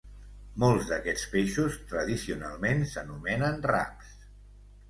Molts d'aquests peixos tradicionalment s'anomenen raps.